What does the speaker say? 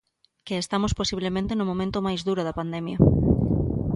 Que estamos posiblemente no momento máis duro da pandemia.